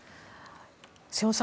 瀬尾さん